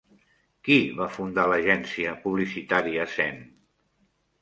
Qui va fundar l'agència publicitària Zen?